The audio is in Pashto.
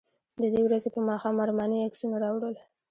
د دې ورځې په ماښام ارماني عکسونه راوړل.